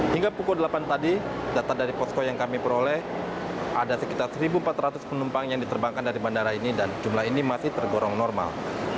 hingga pukul delapan tadi data dari posko yang kami peroleh ada sekitar satu empat ratus penumpang yang diterbangkan dari bandara ini dan jumlah ini masih tergolong normal